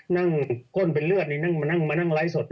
นั่งค่นเป็นเรือดนี่มานั่งไล่สด